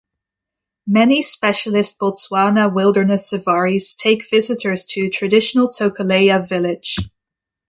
Many specialist Botswana wilderness safaris take visitors to a traditional Tokaleya village.